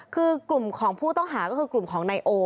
คือกลุ่มของผู้ต้องหาก็คือกลุ่มของนายโอ